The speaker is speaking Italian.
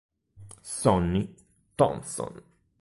Sonny Thompson.